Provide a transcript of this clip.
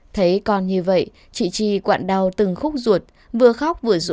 thấy con như vậy chị chi quạn đau từng khúc ruột vừa khóc vừa rụi